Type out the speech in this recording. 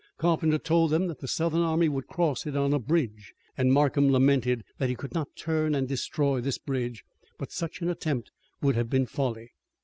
Carpenter told them that the Southern army would cross it on a bridge, and Markham lamented that he could not turn and destroy this bridge, but such an attempt would have been folly.